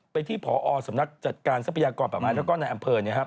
ไปที่ผสำนักจัดการทรัพยากรประมาณแล้วก็นายอำเภอ